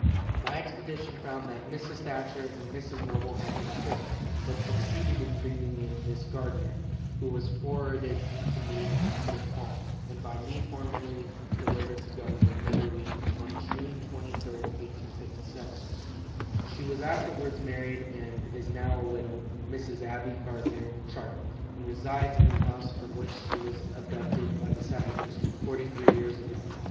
My expedition found that Mrs. Thatcher and Mrs. Noble had been killed, but succeeded in bringing in Miss Gardner, who was forwarded to me at St. Paul, and by me formally delivered to Governor Medary on June 23, 1857. She was afterwards married, and is now a widow, Mrs. Abbie Gardner Sharpe, and resides in the house from which she was abducted by the savages, forty three years ago.